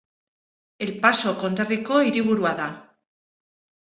El Paso konderriko hiriburua da.